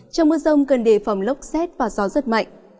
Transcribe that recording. trong mưa rông cần đề phòng lốc xét và gió rất mạnh